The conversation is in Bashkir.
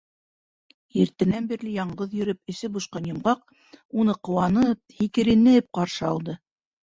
Иртәнән бирле яңғыҙ йөрөп эсе бошҡан Йомғаҡ уны ҡыуанып, һикеренеп ҡаршы алды.